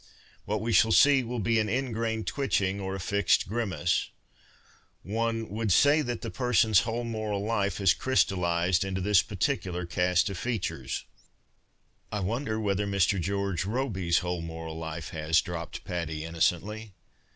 What we shall see will be an ingrained twitching uv a lixcd grimace. One I'll I' ' PASTICHE AND PREJUDICE would say that the person's whole moral life has crystallized into this particular cast of features." " I wonder whether Mr. George Robey's whole moral life has,'' dropped Patty, innocently.